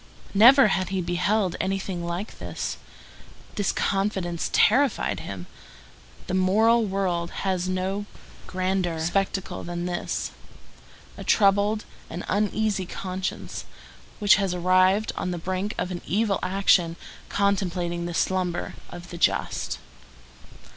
Never had he beheld anything like this. This confidence terrified him. The moral world has no grander spectacle than this: a troubled and uneasy conscience, which has arrived on the brink of an evil action, contemplating the slumber of the just.